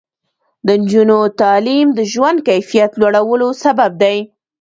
د نجونو تعلیم د ژوند کیفیت لوړولو سبب دی.